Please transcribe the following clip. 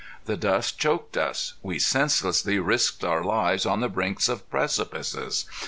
The dust choked us. We senselessly risked our lives on the brinks of precipices.